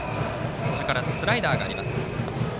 それからスライダーがあります。